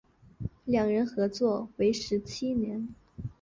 两人合作为时七年。